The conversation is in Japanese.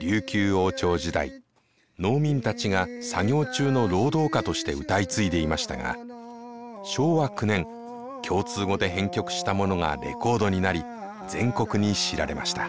琉球王朝時代農民たちが作業中の労働歌として歌い継いでいましたが昭和９年共通語で編曲したものがレコードになり全国に知られました。